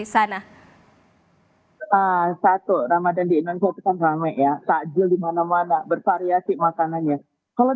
sana satu ramadhan di indonesia pesan rame ya takjil dimana mana bervariasi makanannya kalau